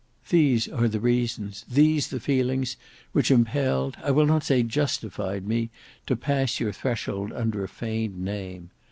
These are the reasons, these the feelings, which impelled, I will not say justified, me to pass your threshold under a feigned name.